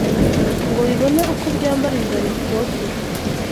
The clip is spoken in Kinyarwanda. ngo bibone uko byambara ibibabi bitoshye